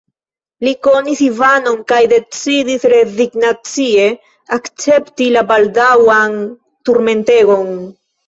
Li konis Ivanon kaj decidis rezignacie akcepti la baldaŭan turmentegon.